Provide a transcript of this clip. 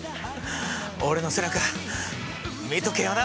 俺の背中見とけよな！